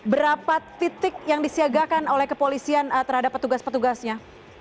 berapa titik yang disiagakan oleh kepolisian terhadap petugas petugasnya